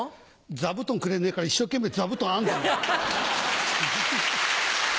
座布団くれねえから一生懸命座布団編んでるの。